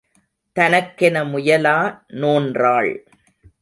தனக்கென முயலா நோன்றாள்.